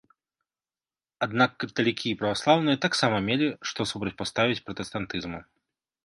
Аднак каталікі і праваслаўныя таксама мелі што супрацьпаставіць пратэстантызму.